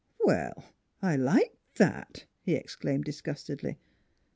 " Well, I like that !" he exclaimed disgustedly.